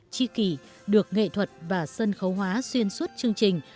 chi kỷ được nghệ thuật và sân khấu hóa xuyên suốt chương trình